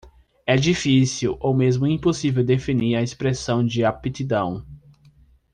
É difícil ou mesmo impossível definir a expressão de aptidão.